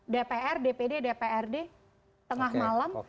dpr dpd dprd tengah malam